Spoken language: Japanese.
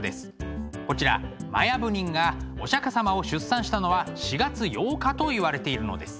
こちら摩耶夫人がお釈様を出産したのは４月８日といわれているのです。